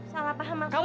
salah faham maksud kamu